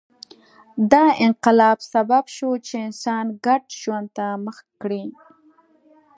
دا انقلاب سبب شو چې انسان ګډ ژوند ته مخه کړي